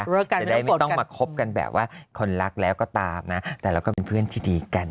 จะได้ไม่ต้องมาคบกันแบบว่าคนรักแล้วก็ตามนะแต่เราก็เป็นเพื่อนที่ดีกัน